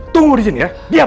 tunggu disini ya diam